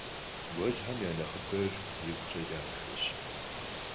Guelxem ya nexhıber yikhuç'e daxeş.